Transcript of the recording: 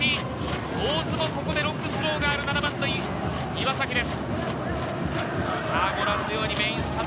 大津もここでロングスローがある７番の岩崎です。